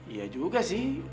iya juga sih